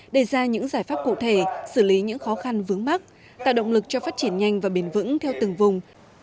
đề ra những giải pháp cụ thể xử lý những khó khăn vướng mắt tạo động lực cho phát triển nhanh và bền vững theo từng vùng